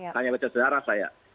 hanya baca sejarah saya